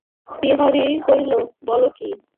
বিহারী কহিল, বল কী।